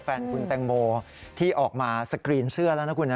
แฟนคุณแตงโมที่ออกมาสกรีนเสื้อแล้วนะคุณนะ